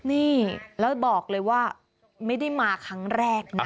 นี่แล้วบอกเลยว่าไม่ได้มาครั้งแรกนะ